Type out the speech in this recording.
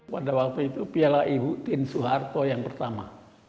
pada waktu itu piala ibu tim suharto yang pertama